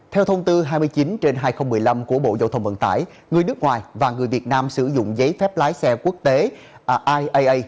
theo thông tư hai mươi chín trên hai nghìn một mươi năm của bộ giao thông vận tải người nước ngoài và người việt nam sử dụng giấy phép lái xe quốc tế iaa